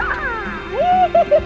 kamu kenapa huh